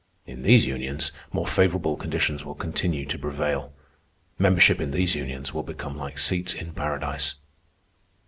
In these unions more favorable conditions will continue to prevail. Membership in these unions will become like seats in Paradise."